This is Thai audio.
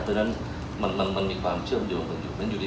เพราะฉะนั้นมันมีความเชื่อมโดยมันอยู่